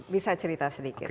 bisa cerita sedikit